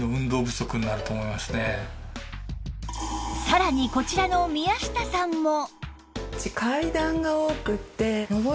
さらにこちらの宮下さんも